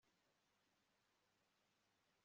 ikomeza kumagara no gucumbeka